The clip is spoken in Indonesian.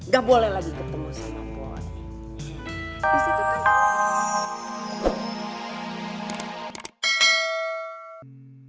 gak boleh lagi ketemu sama puan